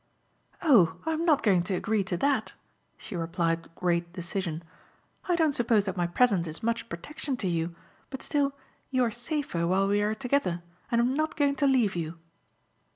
"Oh, I'm not going to agree to that," she replied with great decision. "I don't suppose that my presence is much protection to you, but still, you are safer while we are together, and I'm not going to leave you."